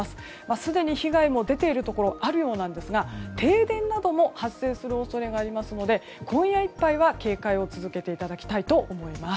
すでに被害も出ているところあるようなんですが停電なども発生する恐れがありますので今夜いっぱいは警戒を続けていただきたいと思います。